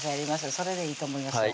それでいいと思いますよ